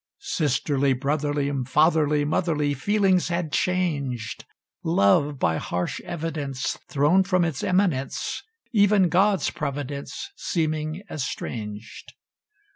Sisterly, brotherly, Fatherly, motherly Feelings had changed: Love, by harsh evidence, Thrown from its eminence; Even God's providence Seeming estranged.